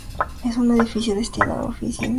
Es un edificio destinado a oficinas.